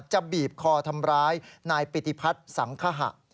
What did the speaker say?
บีบคอทำร้ายนายปิติพัฒน์สังขหะ